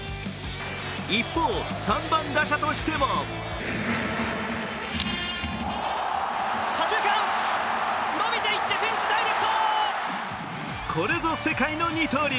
一方、３番打者としてもこれぞ世界の二刀流。